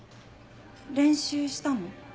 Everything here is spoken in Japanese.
練習したの？